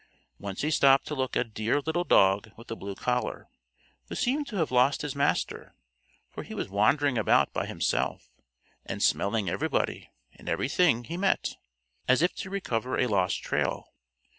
Once he stopped to look at a dear little dog with a blue collar, who seemed to have lost his master, for he was wandering about by himself, and smelling everybody and everything he met, as if to recover a lost trail.